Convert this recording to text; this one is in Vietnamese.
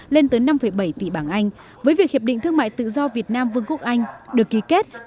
lên tới năm bảy tỷ bảng anh với việc hiệp định thương mại tự do việt nam vương quốc anh được ký kết